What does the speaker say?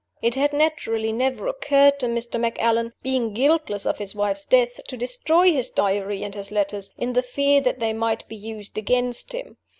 It had naturally never occurred to Mr. Macallan (being guiltless of his wife's death) to destroy his Diary and his letters, in the fear that they might be used against him.